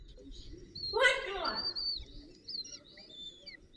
Dále se soustředí na studium na politických věd na Texaské univerzitě v Austinu.